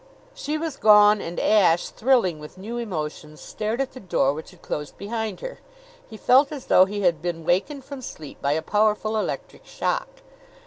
She was gone; and Ashe, thrilling with new emotions, stared at the door which had closed behind her. He felt as though he had been wakened from sleep by a powerful electric shock.